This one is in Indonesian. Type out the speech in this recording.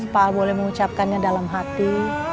pak boleh mengucapkannya dalam hati